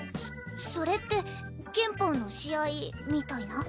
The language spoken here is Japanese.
そそれって拳法の試合みたいな？